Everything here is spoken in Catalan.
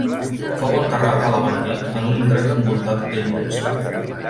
Fou enterrat a l'Aventí en un indret envoltat de llorers.